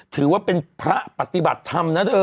ถือว่าเป็นพระปฏิบัติทำ